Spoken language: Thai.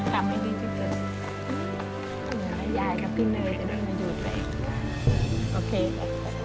ทำให้ดีที่เกิด